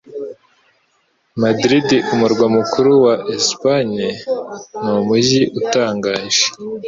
Madrid, umurwa mukuru wa Espagne, ni umujyi utangaje.